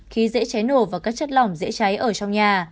khí dễ cháy nổ và các chất lỏng dễ cháy ở trong nhà